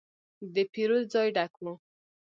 د پیرود ځای ډک و.